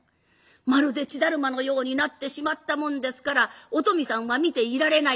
まるで血だるまのようになってしまったもんですからお富さんは見ていられない。